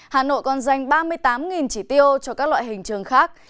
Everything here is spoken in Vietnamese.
hà nội còn dành ba mươi tám chỉ tiêu cho các loại hình trường khác